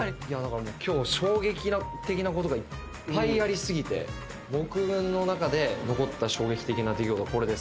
今日衝撃的なことがいっぱいあり過ぎて僕の中で残った衝撃的な出来事はこれです。